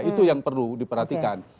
itu yang perlu diperhatikan